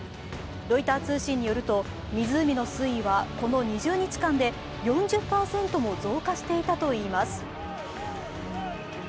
ロイター通信によると、湖の水位はこの２０日間で４０％も増加していたといいます。